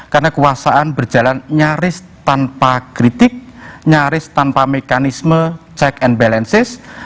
karena kekuasaan berjalan nyaris tanpa kritik nyaris tanpa mekanisme check and balances